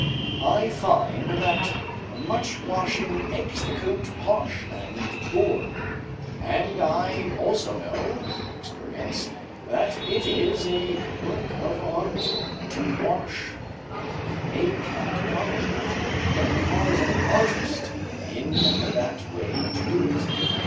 I find that much washing makes the coat harsh and poor, and I also know from experience that it is 'a work of art' to wash a cat properly, and requires an artist in that way to do it.